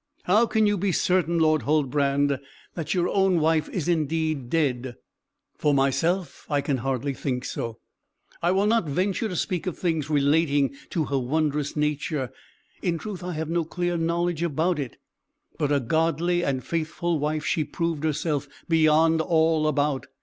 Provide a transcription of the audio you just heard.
How can you be certain, Lord Huldbrand, that your own wife is indeed dead? For myself, I can hardly think so. I will not venture to speak of things relating to her wondrous nature; in truth I have no clear knowledge about it. But a godly and faithful wife she proved herself, beyond all about.